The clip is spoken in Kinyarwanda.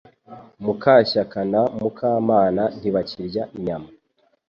Mukashyakana Mukamana ntibakarya inyama